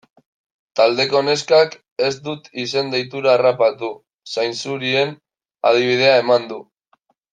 Taldeko neskak, ez dut izen-deitura harrapatu, zainzurien adibidea eman du.